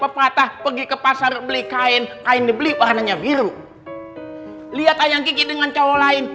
patah pergi ke pasar beli kain kain dibeli warnanya biru lihat ayam gigi dengan cowok lain